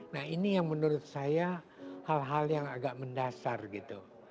nah ini yang menurut saya hal hal yang agak mendasar gitu